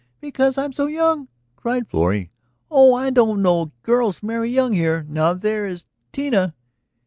"Because I am so young?" cried Florrie. "Oh, I don't know; girls marry young here. Now there is Tita